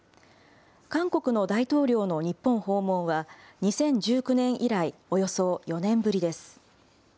韓国の大統領の日本訪問は、２０１９年以来、およそ４年ぶりです。